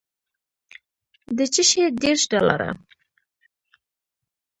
د چشي دېرش ډالره.